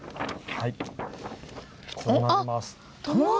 はい。